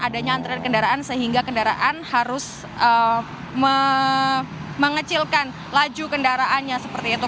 adanya antrian kendaraan sehingga kendaraan harus mengecilkan laju kendaraannya seperti itu